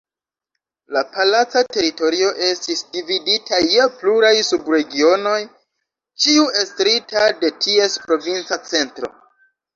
La palaca teritorio estis dividita je pluraj sub-regionoj, ĉiu estrita de ties provinca centro.